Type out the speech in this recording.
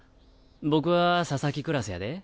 僕は佐々木クラスやで。